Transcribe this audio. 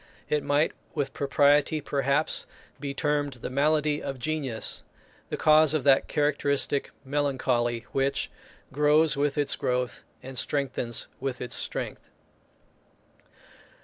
It might with propriety, perhaps, be termed the malady of genius; the cause of that characteristic melancholy which "grows with its growth, and strengthens with its strength."